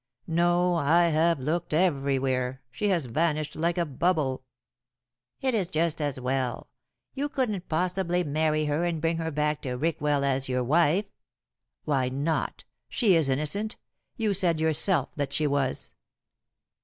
"No; I have looked everywhere. She has vanished like a bubble." "It is just as well. You couldn't possibly marry her and bring her back to Rickwell as your wife." "Why not? She is innocent. You said yourself that she was."